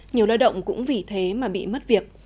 nhiều lao động cũng vì thế mà bị mất việc